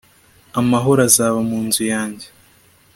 amahoro azaba mu nzu yanjye